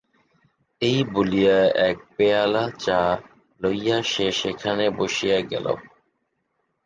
এই বলিয়া এক পেয়ালা চা লইয়া সে সেখানে বসিয়া গেল।